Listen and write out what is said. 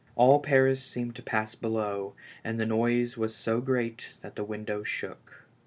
All Paris seemed to pass below, and the noise was so great that the window shook.